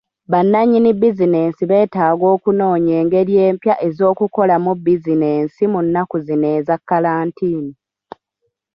Bannannyini bizinensi beetaaga okunoonya engeri empya ez'okukolamu businensi mu nnaku zino eza kkalantiini.